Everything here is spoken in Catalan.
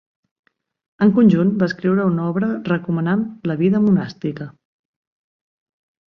En conjunt va escriure una obra recomanant la vida monàstica.